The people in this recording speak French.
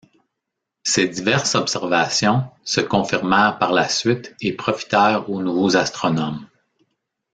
Ces diverses observations se confirmèrent par la suite et profitèrent aux nouveaux astronomes.